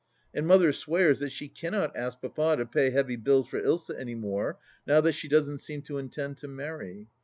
And Mother swears that she cannot ask Papa to pay heavy bills for Ilsa any more, now that she doesn't seem to intend to marry.